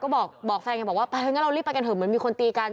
ก็บอกแฟนกันบอกว่าไปงั้นเรารีบไปกันเถอะเหมือนมีคนตีกัน